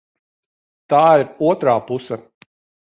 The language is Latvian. Tā ir otrā puse.